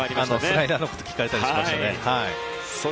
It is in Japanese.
スライダーのことを聞かれたりしました。